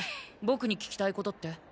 ボクに聞きたいことって？